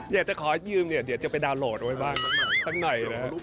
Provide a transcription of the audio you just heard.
เดี๋ยวจะขอยืมเดี๋ยวจะไปดาวน์โหลดไว้บ้างสักหน่อยนะ